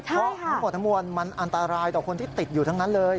เพราะทั้งหมดทั้งมวลมันอันตรายต่อคนที่ติดอยู่ทั้งนั้นเลย